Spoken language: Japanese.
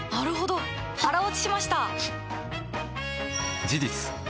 腹落ちしました！